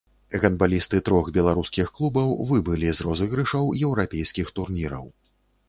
Гандбалісты трох беларускіх клубаў выбылі з розыгрышаў еўрапейскіх турніраў.